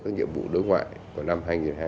các nhiệm vụ đối ngoại của năm hai nghìn hai mươi ba